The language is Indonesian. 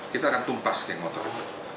kita akan tumpas geng motor